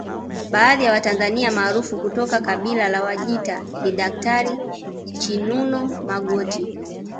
Baadhi ya Watanzania maarufu kutoka kabila la Wajita ni Daktari Chinuno Magoti